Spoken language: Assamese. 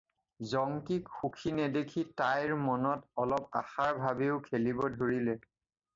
জংকিক সুখী নেদেখি তাইৰ মনত অলপ আশাৰ ভাবেও খেলিব ধৰিলে।